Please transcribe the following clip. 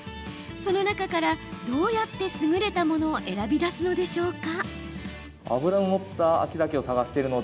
その中から、どうやってすぐれたものを選び出すのでしょうか？